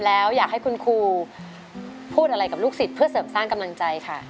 แล้วอยากให้คุณครูพูดอะไรกับลูกศิษย์เพื่อเสริมสร้างกำลังใจค่ะ